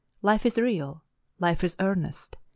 Life is real ! Life is earnest